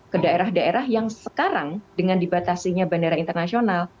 ke daerah daerah yang sekarang dengan dibatasinya bandara internasional